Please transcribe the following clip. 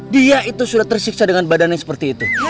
dia itu sudah tersiksa dengan badannya seperti itu